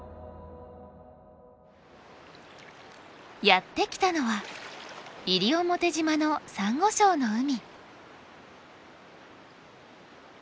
やって来たのは西表島のサンゴ礁の海。